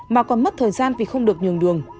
mà còn mất thời gian vì không được nhường đường